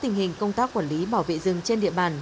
tình hình công tác quản lý bảo vệ rừng trên địa bàn